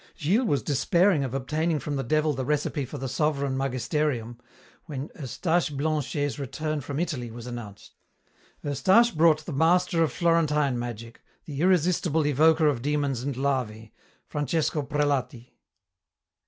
Gilles was despairing of obtaining from the Devil the recipe for the sovereign magisterium, when Eustache Blanchet's return from Italy was announced. Eustache brought the master of Florentine magic, the irresistible evoker of demons and larvæ, Francesco Prelati.